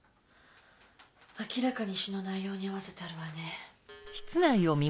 明らかに詩の内容に合わせてあるわね。